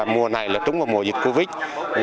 mùa này là trúng vào mùa dịch covid